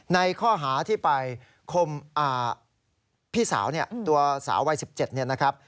ในข้อหาที่ไปพี่สาวตัวสาววัย๑๗นะครับ